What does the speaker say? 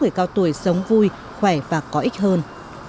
người cao tuổi sống vui khỏe và có ích hơn